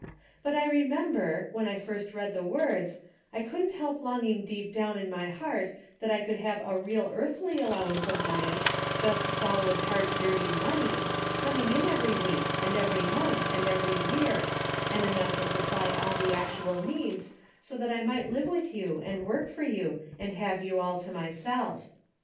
But I remember, when I first read the words, I couldn't help longing deep down in my heart, that I could have a real earthly allowance of money, just solid hard dirty money, coming in every week, and every month, and every year, and enough to supply all the actual needs so that I might live with you and work for 'M DAILY rate: 97 you and have you all to myself.